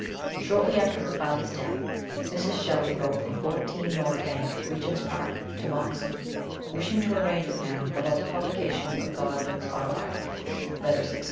Shortly after her father's death, Mrs. Shelley wrote from 14 North Bank, Regent's Park, to Moxon, wish ing to arrange with him about the publication of Godwin's autobiography, letters, &c.